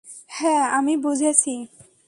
হ্যাঁ, আমি বুঝেছি।